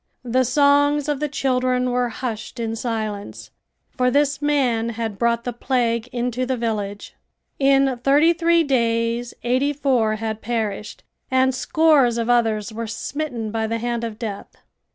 The songs of the children were hushed in silence, for this man had brought the plague into the village. In thirty three days eighty four had perished and scores of others were smitten by the hand of death.